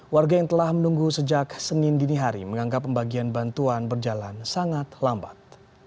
warga yang telah menunggu sejak senin dini hari menganggap pembagian bantuan berjalan sangat lambat